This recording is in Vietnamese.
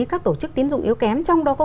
các tổ chức tín dụng yếu kém trong đó có